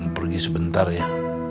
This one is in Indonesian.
pergi sebentar ya